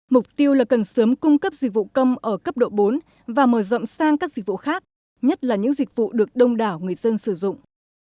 mục tiêu là cần sớm cung cấp dịch vụ công ở cấp độ bốn và mở rộng sang các dịch vụ khác nhất là những dịch vụ được đông đảo người dân sử dụng